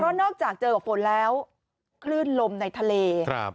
นอกจากเจอกับฝนแล้วคลื่นลมในทะเลครับ